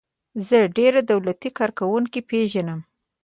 زه ډیر دولتی کارکوونکي پیژنم.